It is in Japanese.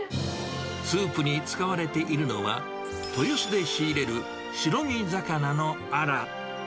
スープに使われているのは、豊洲で仕入れる白身魚のアラ。